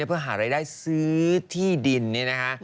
เพื่อหารายได้ซื้อที่ดินนี่นะคะ